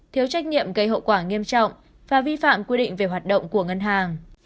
thiếu trách nhiệm gây hậu quả nghiêm trọng và vi phạm quy định về hoạt động của ngân hàng